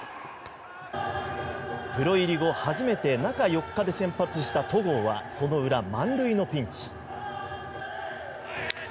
プロ入り後初めて中４日で先発した戸郷はその裏、満塁のピンチ。